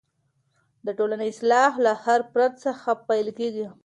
د ټولنې اصلاح له هر فرد څخه پیل کېږي.